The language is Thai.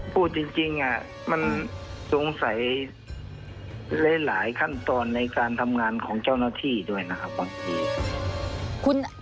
พูดจริงมันสงสัยหลายขั้นตอนในการทำงานของเจ้าหน้าที่ด้วยนะครับบางที